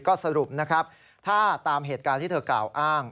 ก็สรุปนะครับถ้าตามเหตุการณ์ที่เธอกล่าวอ้าง